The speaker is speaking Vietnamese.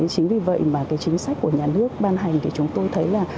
chính vì vậy mà cái chính sách của nhà nước ban hành thì chúng tôi thấy là